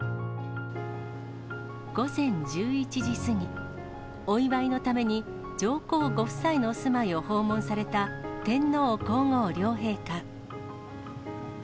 午前１１時過ぎ、お祝いのために、上皇ご夫妻のお住まいを訪問された天皇皇后両陛下。